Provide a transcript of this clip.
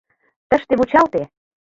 — Тыште вучалте!